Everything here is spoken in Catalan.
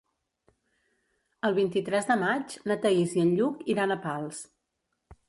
El vint-i-tres de maig na Thaís i en Lluc iran a Pals.